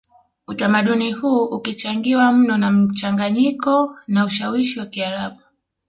utamaduni huu ukichangiwa mno na mchanganyiko na ushawishi wa Kiarabu